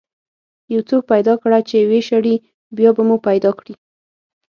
یو څوک پیدا کړه چې ويې شړي، بیا به مو پیدا کړي.